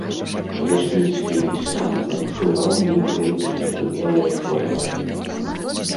Лясніцкі і сам адчуваў нейкае незразумелае хваляванне.